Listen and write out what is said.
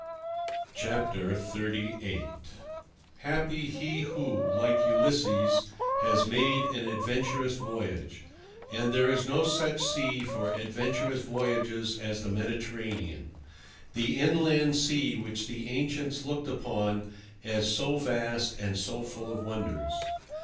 XXXVIII. Happy he who, like Ulysses, has made an adventurous voyage; and there is no such sea for adventurous voyages as the Mediterranean—the inland sea which the ancients looked upon as so vast and so full of wonders.